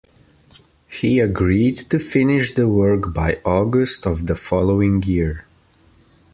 He agreed to finish the work by August of the following year.